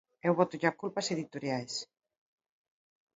Eu bótolle a culpa ás editoriais.